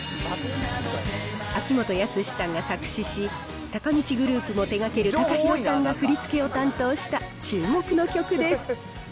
秋元康さんが作詞し、坂道グループも手がけるＴＡＫＡＨＩＲＯさんが振り付けを担当した注目の曲です。